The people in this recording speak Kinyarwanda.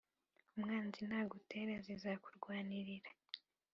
umwanzi nagutera zizakurwanirira.